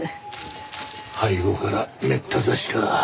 背後からめった刺しか。